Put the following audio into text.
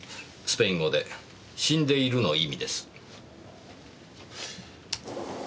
スペイン語で「死んでいる」の意味です。